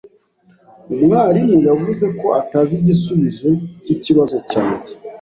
Umwarimu yavuze ko atazi igisubizo cyikibazo cyanjye.